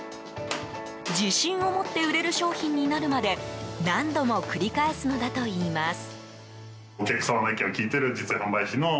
自信を持って売れる商品になるまで何度も繰り返すのだといいます。